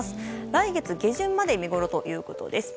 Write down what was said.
来月下旬まで見ごろということです。